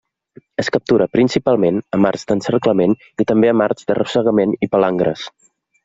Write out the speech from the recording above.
Es captura principalment amb arts d'encerclament i també amb arts d'arrossegament i palangres.